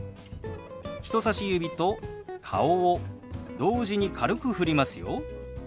人さし指と顔を同時に軽くふりますよ。